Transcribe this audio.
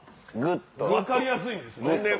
分かりやすいんですね。